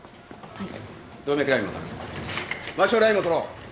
・はい！